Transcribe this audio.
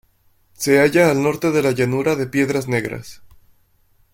Se halla al norte de la llanura de Piedras Negras.